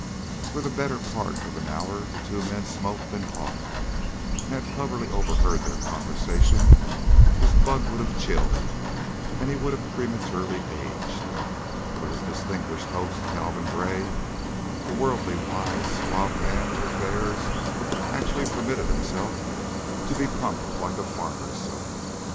For the better part of an hour the two men smoked and talked, and had Coverly overheard their conversation his blood would have chilled and he would have prematurely aged, for his distinguished host, Calvin Gray, the worldly wise, suave man of affairs, actually permitted himself to be pumped like a farmer's son.